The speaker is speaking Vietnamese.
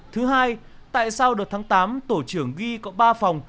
thứ hai tại sao đợt tháng tám tổ trưởng ghi có ba phòng